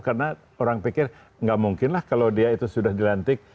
karena orang pikir nggak mungkin lah kalau dia itu sudah dilantik